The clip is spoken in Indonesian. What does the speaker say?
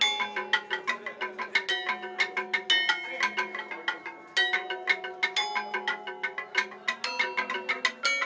menjanjikan cukup dari abosiditas